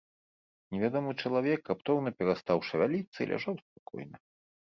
Невядомы чалавек раптоўна перастаў шавяліцца і ляжаў спакойна.